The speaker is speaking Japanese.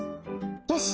よし！